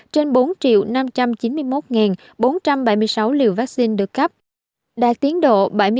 trên bốn năm trăm chín mươi một bốn trăm bảy mươi sáu liều vaccine được cắp đạt tiến độ bảy mươi bảy một